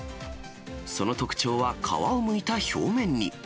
その特徴は皮をむいた表面に。